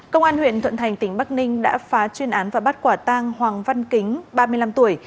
công an huyện thuận thành tỉnh bắc ninh đã phá chuyên án và bắt quả tang hoàng văn kính ba mươi năm tuổi